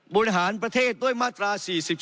บริหารประเทศด้วยมาตรา๔๔